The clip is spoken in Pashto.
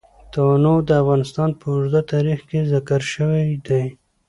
تنوع د افغانستان په اوږده تاریخ کې ذکر شوی دی.